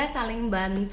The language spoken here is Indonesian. untuk saling bantu